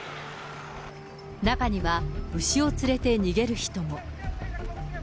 中には、牛を連れて逃げる人も。